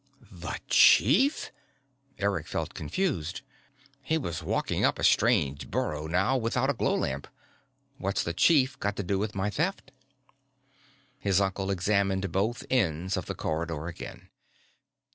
"The chief?" Eric felt confused. He was walking up a strange burrow now without a glow lamp. "What's the chief got to do with my Theft?" His uncle examined both ends of the corridor again.